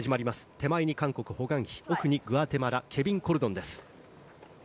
手前に韓国、ホ・グァンヒ奥にグアテマラケビン・コルドンです。